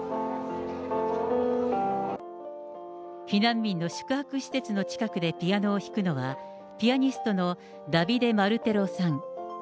避難民の宿泊施設の近くでピアノを弾くのは、ピアニストのダビデ・マルテロさん。